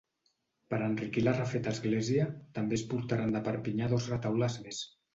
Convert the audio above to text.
Per enriquir la refeta església també es portaren de Perpinyà dos retaules més.